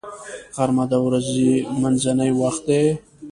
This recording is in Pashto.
غرمه د ورځې منځنی وخت دی